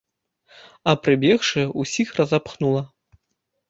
А прыбегшы, усіх разапхнула.